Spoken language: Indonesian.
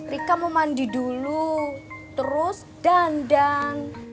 rika mau mandi dulu terus dandang